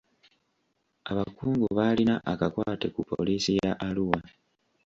Abakungu baalina akakwate ku poliisi ya Arua.